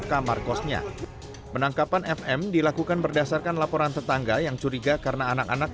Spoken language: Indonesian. kamar kosnya penangkapan fm dilakukan berdasarkan laporan tetangga yang curiga karena anak anak